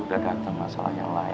udah dateng masalah yang lain